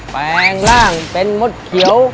แปลงร่างเป็นมดเขียว